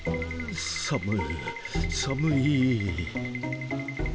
寒い寒い！